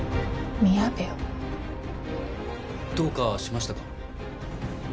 どうかしましたか？